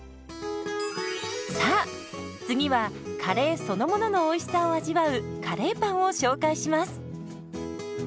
さあ次はカレーそのもののおいしさを味わうカレーパンを紹介します。